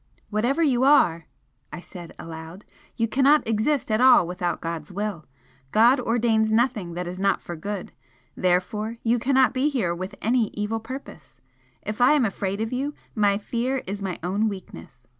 "Whatever you are," I said aloud, "you cannot exist at all without God's will! God ordains nothing that is not for good, therefore you cannot be here with any evil purpose! If I am afraid of you, my fear is my own weakness.